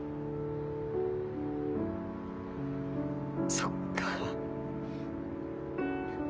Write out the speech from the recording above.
そっか。